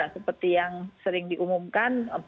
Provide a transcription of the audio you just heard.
seperti yang sering diumumkan